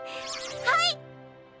はい！